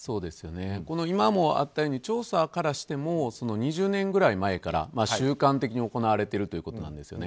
今もあったように調査からしても２０年ぐらい前から習慣的に行われているということなんですよね。